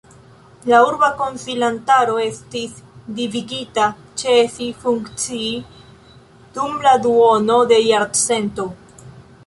La Urba Konsilantaro estis devigita ĉesi funkcii dum la duono de jarcento.